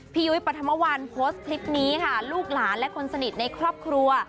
พี่ยุยปธรรมวันคลิปนี้ค่ะลูกหลานและคนสนิทในครอบครัว